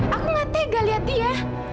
aku gak tega lihat dia